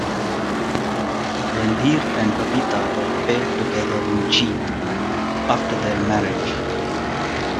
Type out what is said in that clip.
Randhir and Babita were paired together in Jeet, after their marriage.